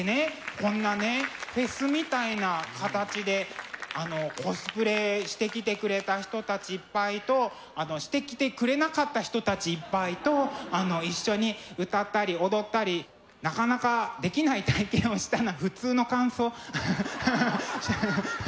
こんなねフェスみたいな形でコスプレしてきてくれた人たちいっぱいとしてきてくれなかった人たちいっぱいと一緒に歌ったり踊ったりなかなかできない体験をしたな普通の感想ハハハ。